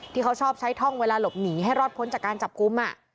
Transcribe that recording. ที่เขาชอบใช้ท่องเวลาหลบหนีให้รอดพ้นจากการจับกลุ่ม